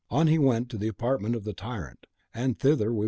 On he went to the apartment of the tyrant, and thither will we follow him.